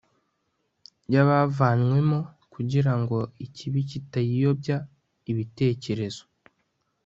yabavanywemo kugira ngo ikibi kitayiyobya ibitekerezo